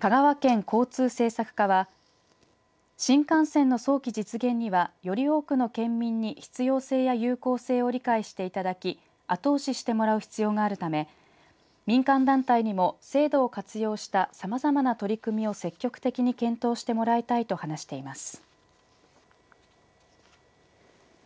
香川県交通政策課は新幹線の早期実現にはより多くの県民に必要性や有効性を理解していただき後押ししてもらう必要があるため民間団体にも制度を活用したさまざまな取り組みを積極的に検討してもらいたいと話しています。